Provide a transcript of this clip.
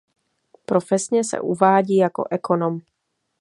Profesně se uvádí jako ekonom.